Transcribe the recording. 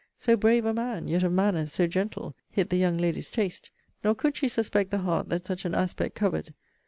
So brave a man, yet of manners so gentle! hit the young lady's taste: nor could she suspect the heart that such an aspect covered.